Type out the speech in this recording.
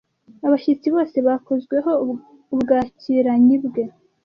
Abashyitsi bose bakozweho ubwakiranyi bwe.